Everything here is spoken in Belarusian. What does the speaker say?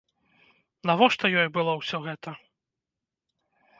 Навошта ёй было ўсё гэта?